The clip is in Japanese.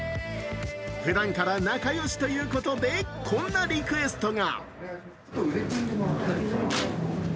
ふだんから仲よしということで、こんなリクエストが。